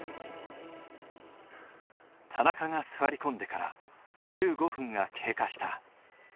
田中が座り込んでから１５分が経過した。